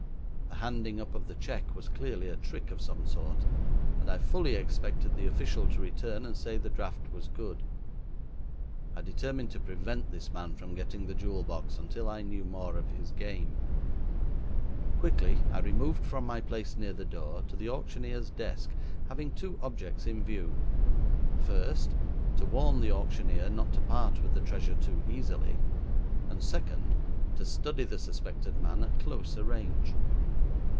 The handing up of the cheque was clearly a trick of some sort, and I fully expected the official to return and say the draft was good. I determined to prevent this man from getting the jewel box until I knew more of his game. Quickly I removed from my place near the door to the auctioneer's desk, having two objects in view; first, to warn the auctioneer not to part with the treasure too easily; and, second, to study the suspected man at closer range.